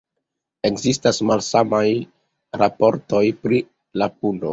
Ekzistas malsamaj raportoj pri la puno.